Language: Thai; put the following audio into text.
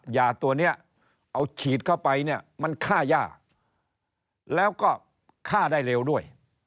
ยาตัวนี้เอาฉีดเข้าไปเนี่ยมันฆ่าย่าแล้วก็ฆ่าได้เร็วด้วย